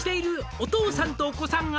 「お父さんとお子さんが」